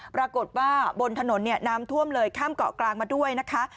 ปรากฏว่าบนถนนเนี่ยน้ำท่วมเลยข้ามเกาะกลางมาด้วยนะคะ